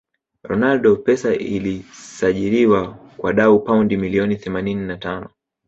ronaldo pesa ilisajiriwa kwa dau paundi milioni themanini ma tano